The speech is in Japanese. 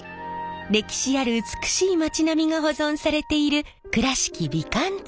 歴史ある美しい町並みが保存されている倉敷美観地区。